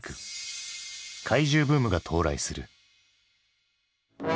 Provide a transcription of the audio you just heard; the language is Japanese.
怪獣ブームが到来する。